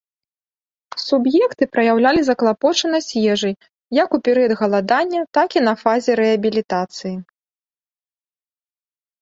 Суб'екты праяўлялі заклапочанасць ежай, як у перыяд галадання, так і на фазе рэабілітацыі.